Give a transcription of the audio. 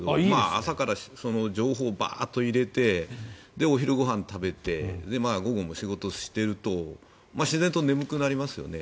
朝から情報を入れてお昼ご飯を食べて午後も仕事をしていると自然と眠くなりますよね。